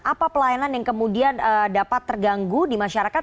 apa pelayanan yang kemudian dapat terganggu di masyarakat